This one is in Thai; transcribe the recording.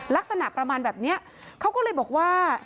ลักษณะประมาณแบบนี้เขาก็เลยบอกว่า